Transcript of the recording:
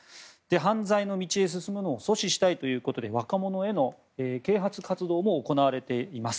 犯罪の道へ進むのを阻止したいということで若者への啓発活動も行われています。